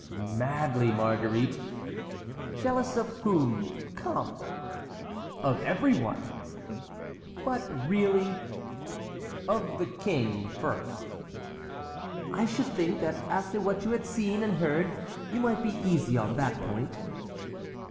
"Madly, Marguerite." "Jealous of whom? Come!" "Of everyone." "But really?" "Of the king first." "I should think after what you had seen and heard you might be easy on that point."